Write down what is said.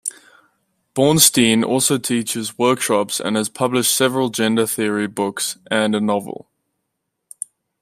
Bornstein also teaches workshops and has published several gender theory books and a novel.